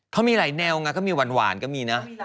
เขามีหลายแนวก่อนนะเขามีหวานก็มีนะ